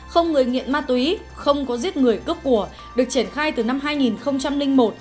không người nghiện ma túy không có giết người cướp của được triển khai từ năm hai nghìn một